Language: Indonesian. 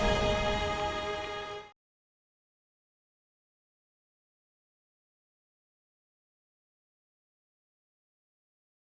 dan seseorang kiannula di sabre